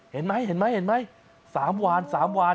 เห็นมั้ย๓วานจำได้ไหม